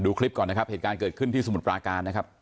คลิปก่อนนะครับเหตุการณ์เกิดขึ้นที่สมุทรปราการนะครับ